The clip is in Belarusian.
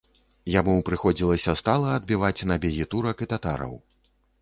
Яму прыходзілася стала адбіваць набегі турак і татараў.